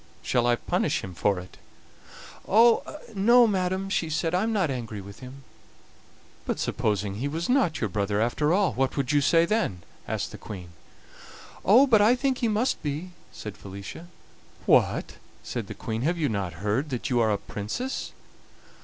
Shall I punish him for it?" "Ah! no, madam," she said; "I am not angry with him. "But supposing he was not your brother, after all, what would you say then?" asked the Queen. "Oh! but I think he must be," said Felicia. "What!" said the Queen, "have you not heard that you are a Princess?"